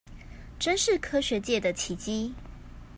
真是科學界的奇蹟